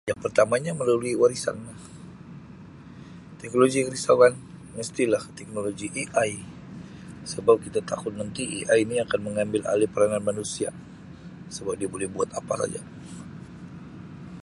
Yang pertamanya melalui warisan lah teknologi yang merisaukan mestilah teknologi AI sebab kita takut nanti AI ni akan mengambil alih peranan manusia sebab dia buli buat apa saja.